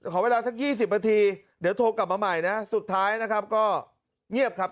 ขอเวลาสัก๒๐นาทีเดี๋ยวโทรกลับมาใหม่นะสุดท้ายนะครับก็เงียบครับ